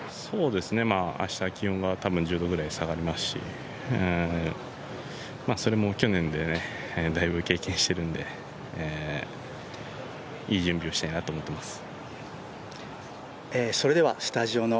明日気温が１０度ぐらい下がりますし、それも去年でだいぶ経験してるんで、いい準備をしたいなと思っています。